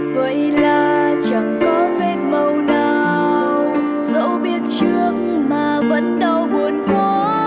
vậy là chẳng có vết màu nào dẫu biết trước mà vẫn đau buồn quá